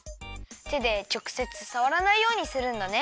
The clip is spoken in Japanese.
手でちょくせつさわらないようにするんだね。